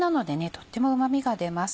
とってもうま味が出ます。